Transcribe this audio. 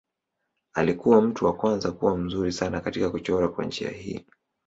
Alikuwa mtu wa kwanza kuwa mzuri sana katika kuchora kwa njia hii.